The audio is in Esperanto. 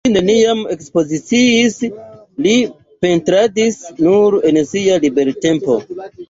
Li neniam ekspoziciis, li pentradis nur en sia libertempo.